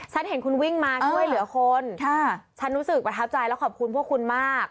ฉันเห็นคุณวิ่งมาช่วยเหลือคนฉันรู้สึกประทับใจแล้วขอบคุณพวกคุณมาก